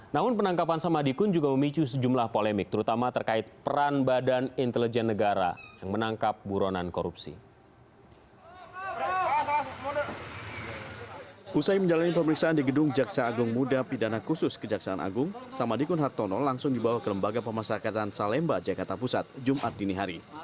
namun penangkapan samadikun juga memicu sejumlah polemik terutama terkait peran badan intelijen negara yang menangkap buronan korupsi